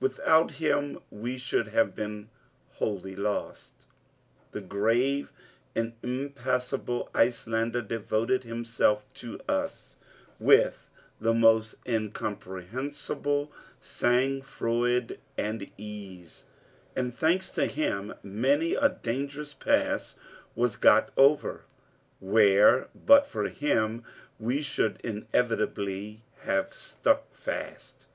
Without him we should have been wholly lost. The grave and impassible Icelander devoted himself to us with the most incomprehensible sang froid and ease; and, thanks to him, many a dangerous pass was got over, where, but for him, we should inevitably have stuck fast.